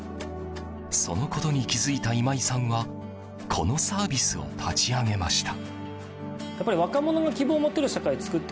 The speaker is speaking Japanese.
そのことに気づいた今井さんはこのサービスを立ち上げました。